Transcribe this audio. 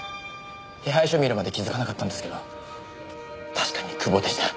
手配書見るまで気づかなかったんですけど確かに久保でした。